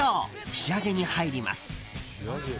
仕上げに入ります。